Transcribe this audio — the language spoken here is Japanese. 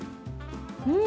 うん。